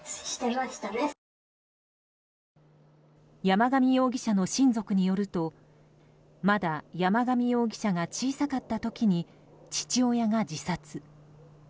山上容疑者の親族によるとまだ山上容疑者が小さかった時に父親が自殺。